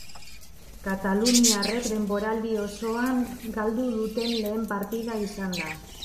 Kataluniarrek denboraldi osoan galdu duten lehen partida izan da.